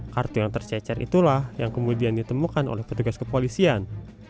kartu yang tercecer itulah yang kemudian ditemukan oleh petugas kepolisian